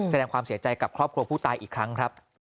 แสดงความเสียใจกับครอบครัวผู้ตายอีกครั้งครับ